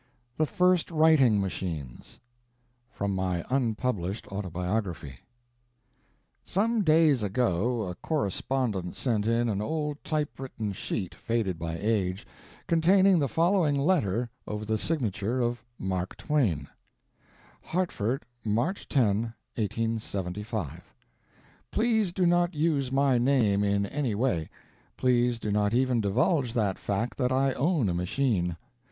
THE FIRST WRITING MACHINES From My Unpublished Autobiography Some days ago a correspondent sent in an old typewritten sheet, faded by age, containing the following letter over the signature of Mark Twain: "Hartford, March 10, 1875. "Please do not use my name in any way. Please do not even divulge that fact that I own a machine.